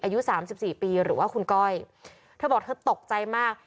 อายุ๓๔ปีหรือว่าคุณก้อยเธอบอกเธอตกใจมาก